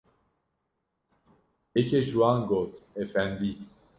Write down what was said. Yekê ji wan got: Efendî!